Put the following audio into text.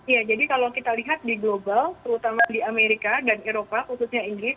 ya jadi kalau kita lihat di global terutama di amerika dan eropa khususnya inggris